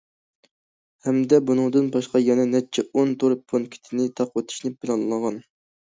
ھەمدە بۇنىڭدىن باشقا يەنە نەچچە ئون تور پونكىتىنى تاقىۋېتىشنى پىلانلىغان.